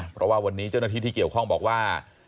เพราะว่าวันนี้เจ้าหน้าที่ที่เกี่ยวข้องบอกว่า